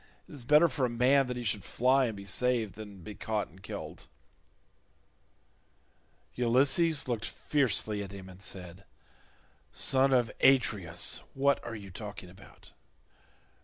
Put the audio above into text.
It is better for a man that he should fly and be saved than be caught and killed." Ulysses looked fiercely at him and said, "Son of Atreus, what are you talking about?